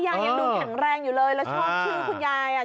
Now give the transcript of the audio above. ยังดูแข็งแรงอยู่เลยแล้วชอบชื่อคุณยายอ่ะ